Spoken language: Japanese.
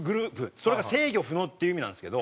それが「制御不能」っていう意味なんですけど。